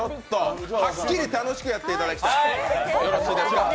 はっきり楽しくやっていただきたい。